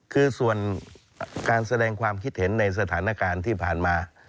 คือส่วนการแสดงความคิดเห็นในสถานการณ์ที่ผ่านมา